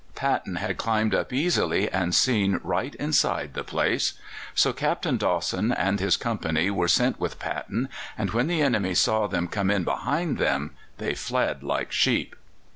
Paton had climbed up easily and seen right inside the place. So Captain Dawson and his company were sent with Paton, and when the enemy saw them come in behind them they fled like sheep.